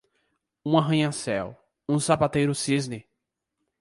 Um arranha-céu, um sapateiro cisne!